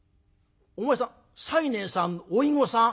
「お前さん西念さんの甥御さん？